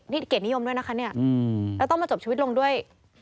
นี่เกียรตินิยมด้วยนะคะเนี่ยแล้วต้องมาจบชีวิตลงด้วย